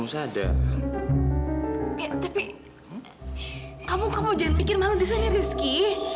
shh kamu jangan pikir malu di sana rizky